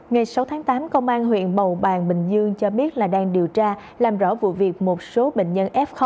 ngày sáu tháng tám công an huyện bầu bàng bình dương cho biết là đang điều tra làm rõ vụ việc một số bệnh nhân f một